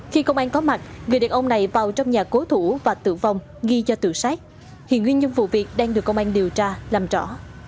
khi công an có mặt người đàn ông này vào trong nhà cố thủ và tử vong ghi cho tự sát hiện nguyên nhân vụ việc đang được công an điều tra làm rõ